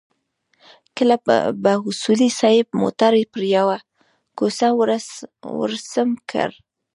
کله به اصولي صیب موټر پر يوه کوڅه ورسم کړ.